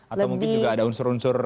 atau mungkin juga ada unsur unsur